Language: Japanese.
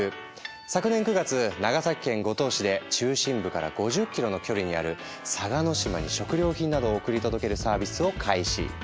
昨年９月長崎県五島市で中心部から５０ｋｍの距離にある嵯峨島に食料品などを送り届けるサービスを開始。